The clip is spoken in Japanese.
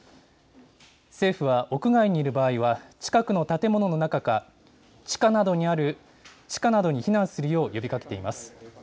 政府は屋外にいる場合は、近くの建物の中か、地下などに避難するよう呼びかけています。